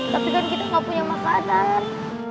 tapi kan kita nggak punya makanan